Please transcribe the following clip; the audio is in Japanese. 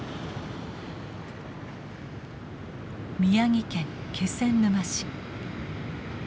宮城県気仙沼市。